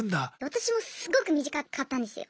私もすごく短かったんですよ。